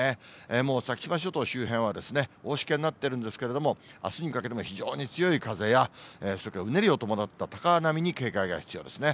もう先島諸島周辺は大しけになってるんですけども、あすにかけて、非常に強い風や、それからうねりを伴った高波に警戒が必要ですね。